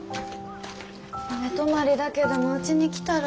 寝泊まりだけでもうちに来たら？